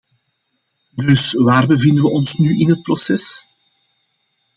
Dus waar bevinden we ons nu in het proces?